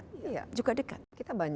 kita banyak sejarah dengan rusia